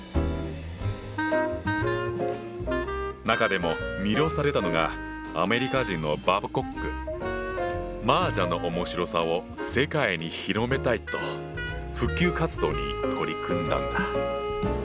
中でも魅了されたのがアメリカ人の麻雀の面白さを世界に広めたいと普及活動に取り組んだんだ。